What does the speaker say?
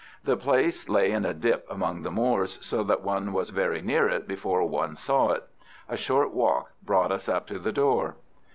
The place lay in a dip among the moors, so that one was very near it before one saw it. A short walk brought us up to the door.